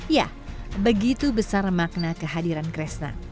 ya begitu besar makna kehadiran kresna